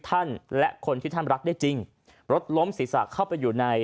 ท่านและคนที่ท่านรักได้จริงรถล้มศีรษะเข้าไปอยู่ใน